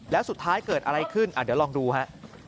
แล้วสุดท้ายเกิดอะไรขึ้นเดี๋ยวลองดูฮะ